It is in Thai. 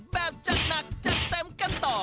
แบบจัดหนักจัดเต็มกันต่อ